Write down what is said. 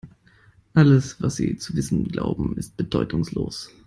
Alles, was Sie zu wissen glauben, ist bedeutungslos.